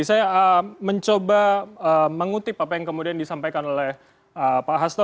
saya mencoba mengutip apa yang kemudian disampaikan oleh pak hasto